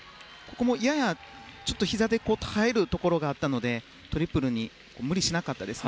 やや、ひざで耐えるところがあったのでトリプル無理しなかったですね。